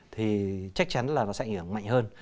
thì chắc chắn là nó sẽ ảnh hưởng mạnh hơn